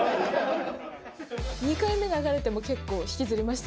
２回目流れても、結構、引きずりました。